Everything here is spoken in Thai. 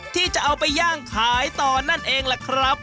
ที่จะเอาไปย่างขายต่อนั่นเองล่ะครับ